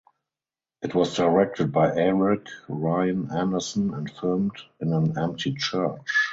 It was directed by Eric Ryan Anderson and filmed in an empty church.